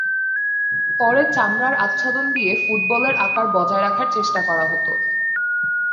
পরে চামড়ার আচ্ছাদন দিয়ে ফুটবলের আকার বজায় রাখার চেষ্টা করা হত।